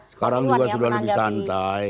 sekarang juga sudah lebih santai